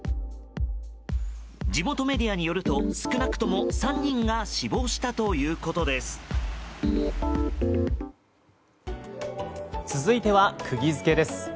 地元メディアによると少なくとも３人が死亡したということです。